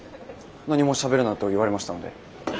何もしゃべるなと言われましたので。